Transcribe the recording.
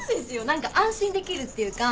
何か安心できるっていうか。